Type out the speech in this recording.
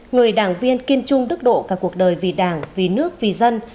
người đảng viên kiên trung đức độ cả cuộc đời vì đảng vì nước vì dân